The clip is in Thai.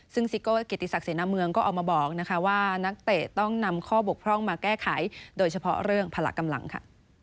ซึ่งซิโก้เกียรติศักดิเสนาเมืองก็ออกมาบอกนะคะว่านักเตะต้องนำข้อบกพร่องมาแก้ไขโดยเฉพาะเรื่องพละกำลังค่ะ